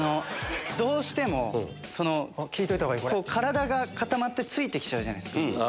どうしても体が固まってついてきちゃうじゃないですか。